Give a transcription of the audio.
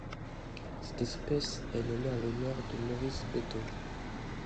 Cette espèce est nommée en l'honneur de Maurice Bedot.